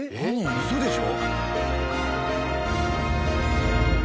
ウソでしょ。